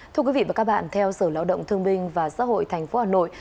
thưa quý vị và các bạn theo sở lao động thương minh và xã hội tp hà nội